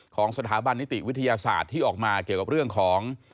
ของสถาบันนิติวิทยาศาสตร์ที่ออกมาเกี่ยวกับเรื่องของ